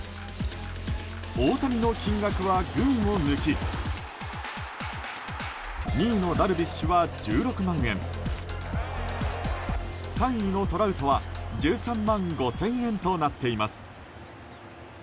大谷の金額は群を抜き２位のダルビッシュは１６万円３位のトラウトは１３万５０００円となっています。